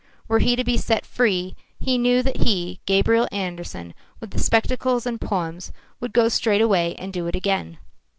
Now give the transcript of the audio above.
Were he to be set free, he knew that he, Gabriel Andersen, with the spectacles and poems, would go straightway and do it again.